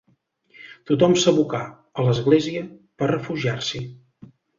Tothom s'abocà a l'església per refugiar-s'hi.